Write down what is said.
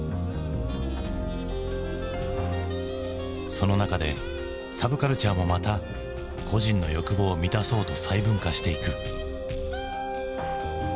その中でサブカルチャーもまた個人の欲望を満たそうと細分化していく。